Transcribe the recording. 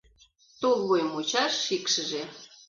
Тулвуй мучаш шикшыже